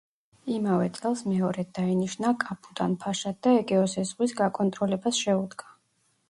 იმავე წელს მეორედ დაინიშნა კაპუდან-ფაშად და ეგეოსის ზღვის გაკონტროლებას შეუდგა.